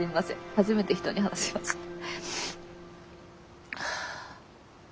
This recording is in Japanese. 初めて人に話しました。